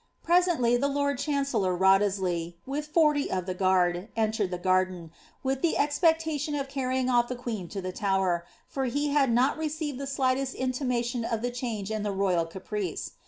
Presently, the lord chancellor Wriothesley, with forty of the guard, entered the garden, with the expectation of carrj'ing off the queen to the Tower, for he had not received the slightest intimation of the change in the royal caprice.